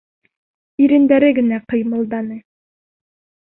Ирендәре генә ҡыймылданы.